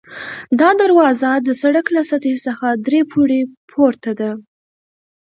دا دروازه د سړک له سطحې څخه درې پوړۍ پورته ده.